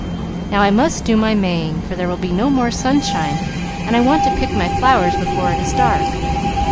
"Now I must do my Maying, for there will be no more sunshine, and I want to pick my flowers before it is dark.